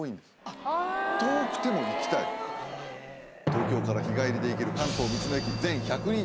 東京から日帰りで行ける関東道の駅全１２８カ所。